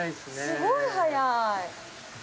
すごい速い！